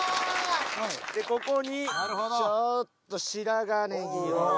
でここにちょっと白髪ネギを。